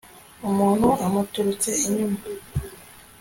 umuntu amuturutse inyuma